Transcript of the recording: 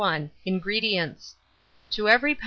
INGREDIENTS. To every lb.